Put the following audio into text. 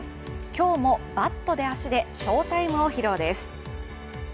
今日もバットで足で翔タイムを披露です。